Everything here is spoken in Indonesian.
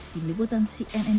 di meliputan cnni